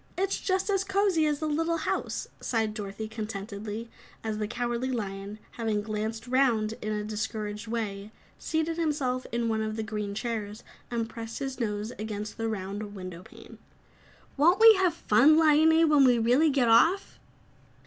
"It's just as cozy as a little house," sighed Dorothy contentedly, as the Cowardly Lion, having glanced round in a discouraged way, seated himself in one of the green chairs and pressed his nose against the round window pane. "Won't we have fun, Liony, when we really get off?"